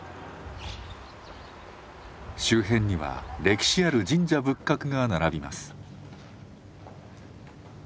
周辺には歴史ある神社仏閣が並びます。